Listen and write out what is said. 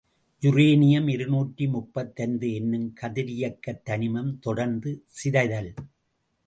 Uranium இருநூற்று முப்பத்தைந்து என்னும் கதிரியக்கத் தனிமம் தொடர்ந்து சிதைதல்.